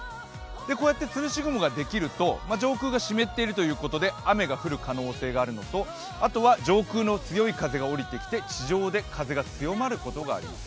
こうやってつるし雲ができると上空が湿っているので雨が降る可能性があるのとあとは上空の強い風が下りてきて、地上で風が強まることがあります。